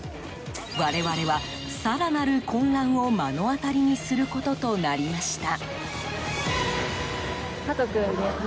我々は、更なる混乱を目の当たりにすることとなりました。